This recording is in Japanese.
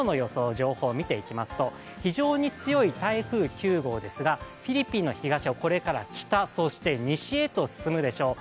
情報見ていきますと非常に強い台風９号ですがフィリピンの東をこれから北、そして西へと進むでしょう。